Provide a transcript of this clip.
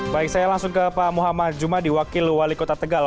baik saya langsung ke pak muhammad jumadi wakil wali kota tegal